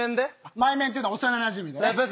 マイメンっていうのは幼なじみでね。